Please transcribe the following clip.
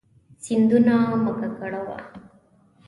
سیندونه مه ککړوه.